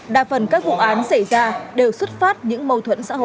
đa phần các vụ án xảy ra đều xuất phát những mâu thuẫn xã hội